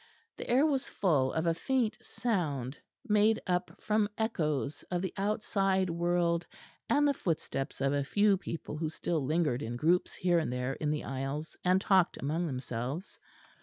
The air was full of a faint sound, made up from echoes of the outside world and the footsteps of a few people who still lingered in groups here and there in the aisles, and talked among themselves.